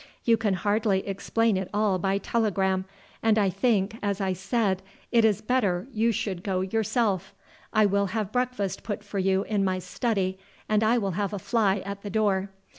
You can hardly explain it all by telegram; and I think, as I said, it is better that you should go yourself. I will have breakfast put for you in my study, and I will have a fly at the door.